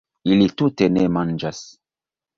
Ili tute ne manĝas